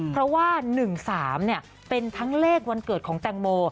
เพราะว่า๑๓เป็นทั้งเลขวันเกิดของแตงโม